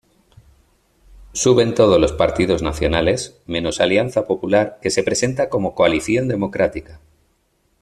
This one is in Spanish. Suben todos los partidos nacionales, menos Alianza Popular, que se presenta como Coalición Democrática.